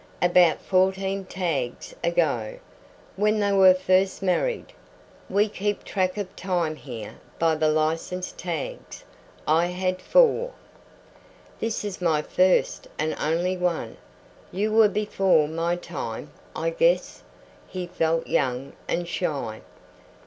"About fourteen tags ago, when they were first married. We keep track of time here by the license tags. I had four." "This is my first and only one. You were before my time, I guess." He felt young and shy.